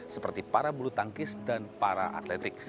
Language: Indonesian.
seperti para bulu tangkis dan para atletik